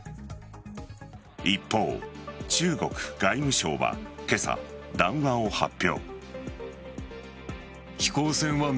一方、中国外務省は今朝談話を発表。